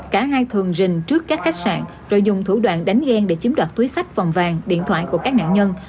cả hai thường rình trước các khách sạn rồi dùng thủ đoạn đánh ghen để chiếm đoạt túi sách vòng vàng điện thoại của các nạn nhân